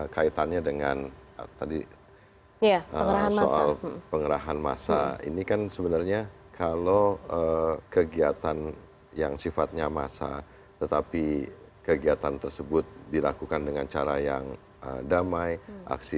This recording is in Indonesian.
kegiatan yang sifatnya massa tetapi kegiatan tersebut dilakukan dengan cara yang damai aksi